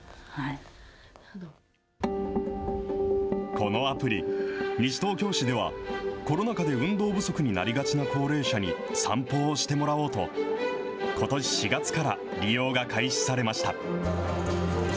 このアプリ、西東京市では、コロナ禍で運動不足になりがちな高齢者に散歩をしてもらおうと、ことし４月から利用が開始されました。